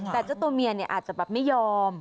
แต่เจ้าตัวเมียเนี่ยอาจจะแบบไม่ยอม